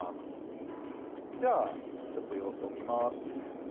じゃあ、ちょっと様子を見ます。